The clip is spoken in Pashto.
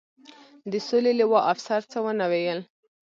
د سولې لوا، افسر څه و نه ویل.